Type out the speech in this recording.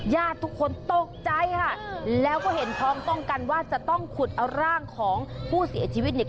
ญาติทุกคนตกใจค่ะแล้วก็เห็นพร้อมต้องกันว่าจะต้องขุดเอาร่างของผู้เสียชีวิตเนี่ย